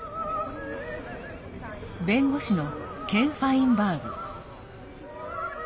弁護士のケン・ファインバーグ。